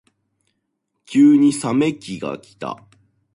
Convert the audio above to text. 急に冷め期がきた。